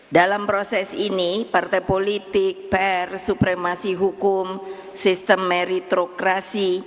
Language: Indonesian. dalam proses ini partai politik pr supremasi hukum sistem meritrokrasi